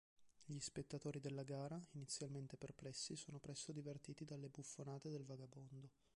Gli spettatori della gara, inizialmente perplessi, sono presto divertiti dalle buffonate del vagabondo.